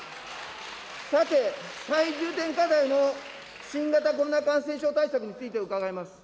さて、最重点課題の新型コロナ感染症対策について伺います。